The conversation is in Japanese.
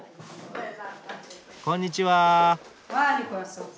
こんにちは。